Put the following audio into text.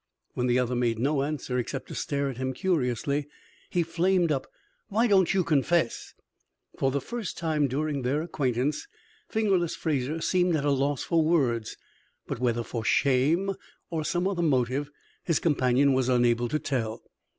When the other made no answer except to stare at him curiously, he flamed up, "Why don't you confess?" For the first time during their acquaintance, "Fingerless" Fraser seemed at a loss for words; but whether for shame or some other motive, his companion was unable to tell.